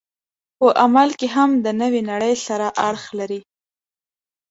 په عمل کې هم د نوې نړۍ سره اړخ لري.